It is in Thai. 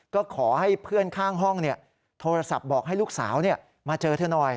ก็ขอให้เพื่อนข้างห้องโทรศัพท์บอกให้ลูกสาวมาเจอเธอหน่อย